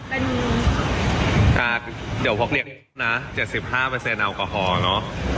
เป็นค่ะเดี๋ยวพกเดี๋ยวนะเจ็ดสิบห้าเปอร์เซ็นต์แอลกอฮอล์เนอะ